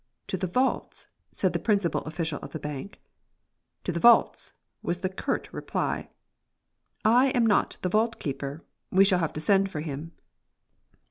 "To the vaults?" said the principal official of the bank. "To the vaults," was the curt reply. "I am not the vault keeper. We shall have to send for him."